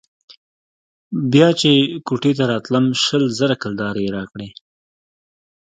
بيا چې كوټې ته راتلم شل زره كلدارې يې راکړې.